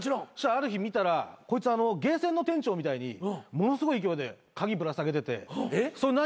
ある日見たらこいつゲーセンの店長みたいにものすごい勢いで鍵ぶら下げててそれ何？